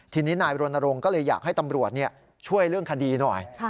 ทีนี้นายรณรงค์ก็เลยอยากให้ตำรวจช่วยเรื่องคดีหน่อย